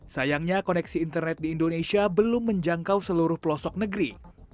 sayangnya koneksi internet di indonesia belum menjangkau seluruh pelosok negeri